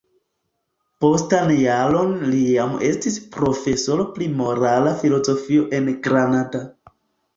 Postan jaron li jam estis profesoro pri morala filozofio en Granada.